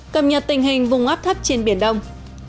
cảm nhận tình hình vùng áp thấp trên biển đông